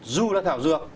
dù là thảo dược